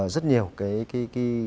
rất nhiều cái